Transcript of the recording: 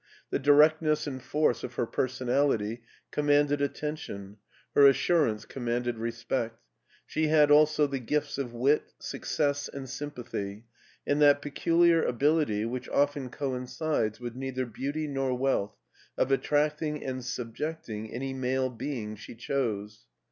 The directness and force of her personality com manded attention, her assurance commanded respect; she had also the gifts of wit, success, and sympathy, and that peculiar ability which often coincides with neither beauty nor wealth, of attracting and subject ing any male being she chose.